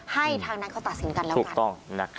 ให้ทางนั้นเขาตัดสินกันแล้วกัน